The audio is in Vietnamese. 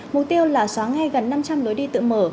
mục tiêu là xóa ngay gần năm trăm linh lối đi tự mở